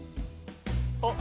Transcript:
あっ！